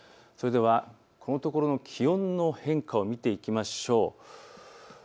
それではこのところの気温の変化を見ていきましょう。